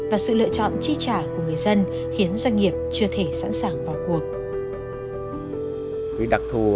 và sự lựa chọn chi trả của người dân khiến doanh nghiệp chưa thể sẵn sàng vào cuộc